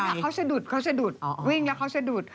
ไม่ค่ะเขาสะดุดวิ่งแล้วเขาสะดุด